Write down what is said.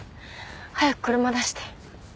早く車出して。